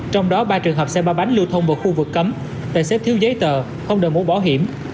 trong đó ba trường hợp xe ba bánh lưu thông vào khu vực cấm tài xếp thiếu giấy tờ không đợi muốn bỏ hiểm